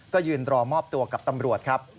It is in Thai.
ก็ยืนรอมอบตัวกับตำรวจครับ